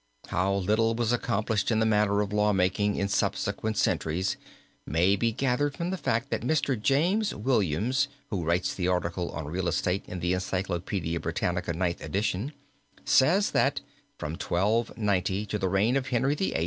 How little was accomplished in the matter of law making in subsequent centuries, may be gathered from the fact that Mr. James Williams who writes the article on real estate in the Encyclopedia Britannica ninth edition, says that from 1290 to the reign of Henry VIII.